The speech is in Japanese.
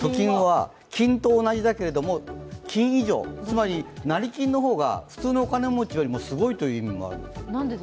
金と同じだけれども、金以上、つまり、成金の方が普通のお金持ちよりもすごいという意味がある。